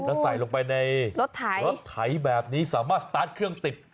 แล้วใส่ลงไปในรถไถแบบนี้สามารถสตาร์ทเครื่องติด